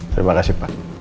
terima kasih pak